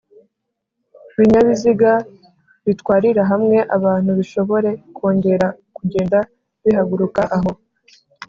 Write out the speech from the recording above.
binyabiziga bitwarira hamwe abantu bishobore kongera kugenda bihaguruka aho